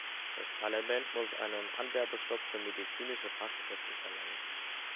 Das Parlament muss einen Anwerbestopp für medizinische Fachkräfte verlangen.